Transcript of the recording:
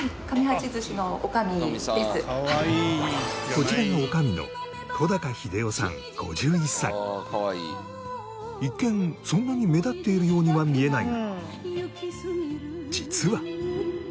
こちらが一見そんなに目立っているようには見えないが実は。